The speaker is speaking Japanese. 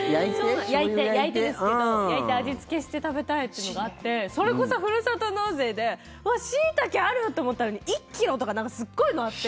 焼いてですけど焼いて味付けして食べたいってのがあってそれこそふるさと納税でシイタケある！と思ったのに１ｋｇとかなんかすっごいのあって。